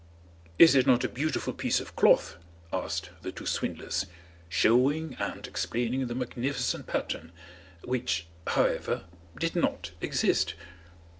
"Is it not a beautiful piece of cloth?" asked the two swindlers, showing and explaining the magnificent pattern, which, however, did not exist.